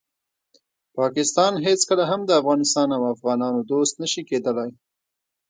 پاکستان هیڅکله هم د افغانستان او افغانانو دوست نشي کیدالی.